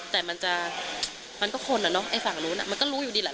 แต่มันจะมันก็คนอ่ะเนอะไอ้ฝั่งนู้นมันก็รู้อยู่ดีแหละ